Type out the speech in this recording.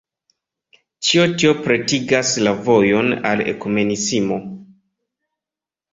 Ĉio tio pretigas la vojon al ekumenismo.